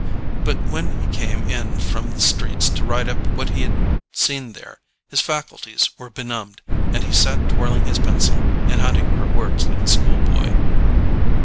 But when he came in from the streets to write up what he had seen there, his faculties were benumbed, and he sat twirling his pencil and hunting for words like a schoolboy.